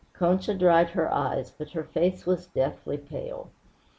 Concha dried her eyes, but her face was deathly pale.